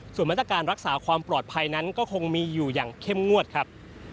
ส่วนมาตรการรักษาความปลอดภัยนั้นก็คงมีอยู่อย่างเข้มงวดครับ